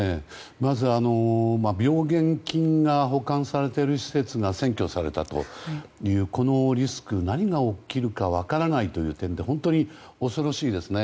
まず、病原菌が保管されている施設が占拠されたという、このリスク何が起きるか分からないという点で本当に恐ろしいですね。